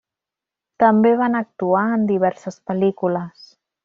També van actuar en diverses pel·lícules.